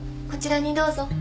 こちらにどうぞ。